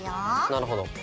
なるほど。